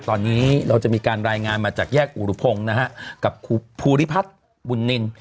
ตอนนี้เราจะมีการรายงานมาจากแยกอุรุพงศ์นะฮะกับครูภูริพัฒน์บุญนิน